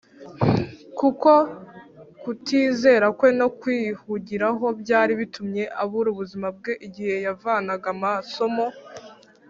kuko kutizera kwe no kwihugiraho byari bitumye abura ubuzima bwe igihe yavanaga amasomo